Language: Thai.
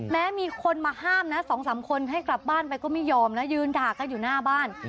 แม้มีคนมาห้ามนะ๒๓คนให้กลับบ้านไปก็ไม่ยอมนะยืนด่ากันอยู่หน้าบ้าน